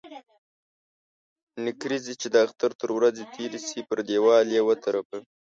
نکريزي چې د اختر تر ورځي تيري سي ، پر ديوال يې و ترپه.